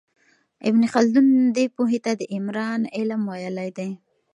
ابن خلدون دې پوهې ته د عمران علم ویلی دی.